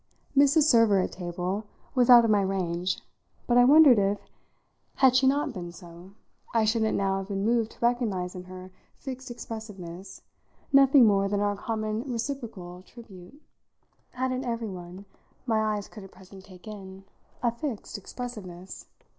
Mrs. Server, at table, was out of my range, but I wondered if, had she not been so, I shouldn't now have been moved to recognise in her fixed expressiveness nothing more than our common reciprocal tribute. Hadn't everyone my eyes could at present take in a fixed expressiveness?